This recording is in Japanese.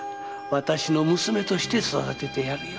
私の娘として育ててやるよ。